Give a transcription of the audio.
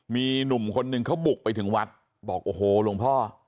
มีหนุ่มคนนึงเขาบุกไปถึงวัดบอกโอ้โหหลวงพ่อ